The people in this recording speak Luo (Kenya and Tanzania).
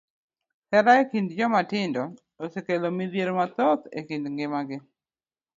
Hera e kind joma tindo osekelo midhiero mathoth e ngima gi.